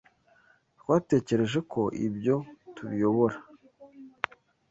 Twatekereje ko ibyo tubiyobora.